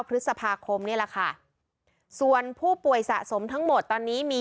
พฤษภาคมนี่แหละค่ะส่วนผู้ป่วยสะสมทั้งหมดตอนนี้มี